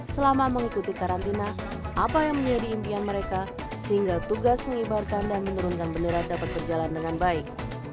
selama mengikuti karantina apa yang menjadi impian mereka sehingga tugas mengibarkan dan menurunkan bendera dapat berjalan dengan baik